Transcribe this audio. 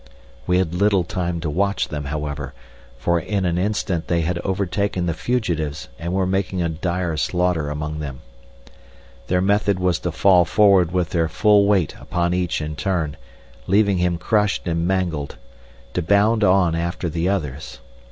We had little time to watch them, however, for in an instant they had overtaken the fugitives and were making a dire slaughter among them. Their method was to fall forward with their full weight upon each in turn, leaving him crushed and mangled, to bound on after the others.